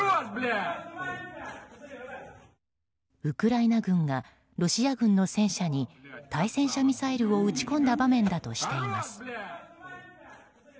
ウクライナ軍がロシア軍の戦車に対戦車ミサイルを撃ち込んだ場面だとしています。